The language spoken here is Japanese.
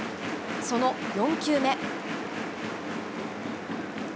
その４球目。